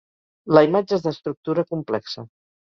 La imatge és d'estructura complexa.